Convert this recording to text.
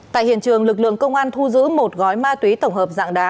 tại hiện trường lực lượng công an thu giữ một gói ma túy tổng hợp dạng đá